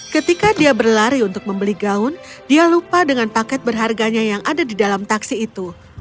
ketika dia berlari untuk membeli gaun dia lupa dengan paket berharganya yang ada di dalam taksi itu